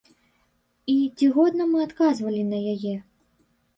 І ці годна мы адказвалі на яе?